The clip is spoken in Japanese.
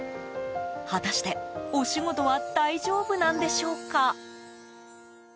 果たして、お仕事は大丈夫なんでしょうか。